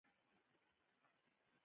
نصاب باید څلور کلن وي.